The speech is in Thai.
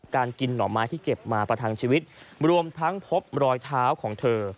การกินหน่อไม้ที่เก็บมาประทังชีวิตรวมทั้งพบรอยเท้าของเธอ